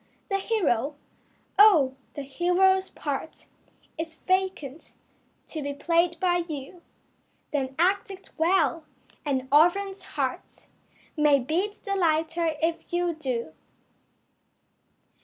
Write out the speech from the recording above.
The hero? Oh, the hero's part Is vacant to be played by you. Then act it well! An orphan's heart May beat the lighter if you do.